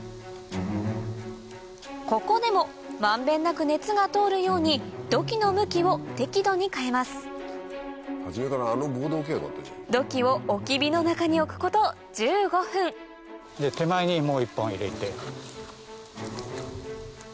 ここでも満遍なく熱が通るように土器の向きを適度に変えます土器をおき火の中に置くこと１５分手前にもう一本入れて。